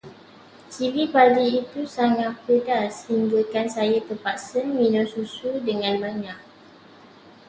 Cili padi itu sangat pedas, hinggakan saya terpaksa minum susu dengan banyak.